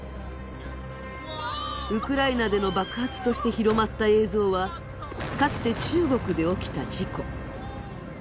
ウクライナでの爆発として広まった映像は、かつて中国で起きた事故。